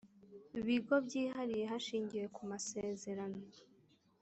bigo byihariye hashingiwe ku masezerano